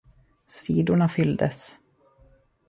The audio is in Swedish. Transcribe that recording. Sidorna fylldes.